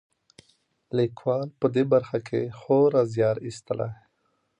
لیکوال په دې برخه کې خورا زیار ایستلی.